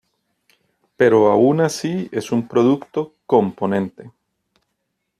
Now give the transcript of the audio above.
Pero aun así es un producto componente.